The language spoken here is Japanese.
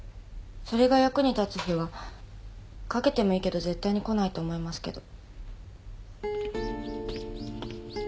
それが役に立つ日は賭けてもいいけど絶対に来ないと思いますけど。